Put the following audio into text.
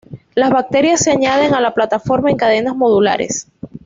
Las baterías se añaden a la plataforma en cadenas modulares.